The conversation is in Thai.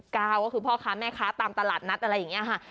ก็คือพ่อค้าแม่ค้าตามตลาดนัดอะไรอย่างนี้ค่ะ